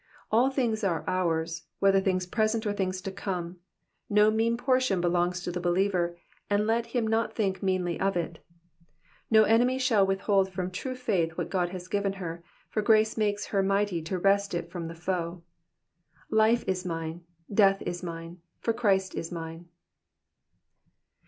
All things are ours, whether things present or things to come ; no mean portion belongs to the believer, and let him not think meanly of it. No enemy shall withhold from true faith what God has given her, for ^race makes her mighty to wrest it from the foe. Life is mine, death is mme, for Christ is mine.